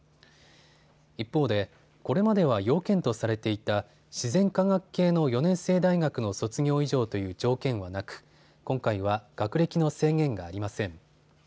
一方でこれまでは要件とされていた自然科学系の４年制大学の卒業以上という条件はなく今回は学歴の制限がありません。